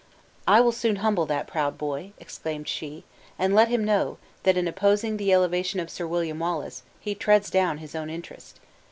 "I will soon humble that proud boy," exclaimed she; "and let him know, that in opposing the elevation of Sir William Wallace, he treads down his own interest.